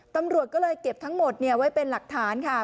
ตำรวจก็เลยเก็บทั้งหมดไว้เป็นหลักฐานค่ะ